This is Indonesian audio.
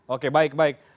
oke baik baik